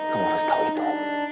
kamu harus tahu itu